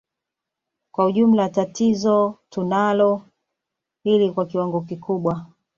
Kwa ujumla tunalo tatizo hili kwa kiwango kikubwa sana